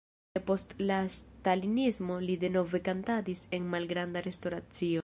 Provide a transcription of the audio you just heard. Depost la stalinismo li denove kantadis en malgranda restoracio.